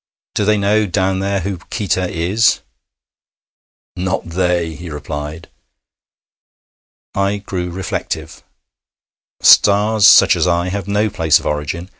Do they know down there who Qita is?' 'Not they!' he replied. I grew reflective. Stars such as I have no place of origin.